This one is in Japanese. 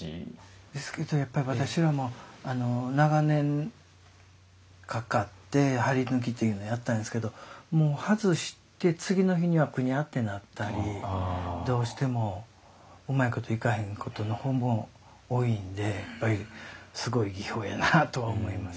ですけどやっぱり私らも長年かかって張抜というのをやったんですけどもう外して次の日にはぐにゃってなったりどうしてもうまいこといかへんことの方も多いんですごい技法やなとは思います